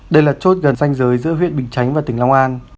đây là chốt gần danh giới giữa huyện bình chánh và tỉnh long an